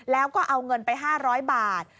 แล้วก็เอาเงินไป๕๐๐บาท